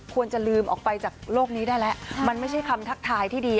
ควรจะลืมออกไปจากโลกนี้ได้แล้วมันไม่ใช่คำทักทายที่ดี